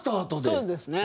そうですね。